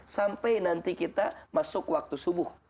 sampai nanti kita masuk waktu subuh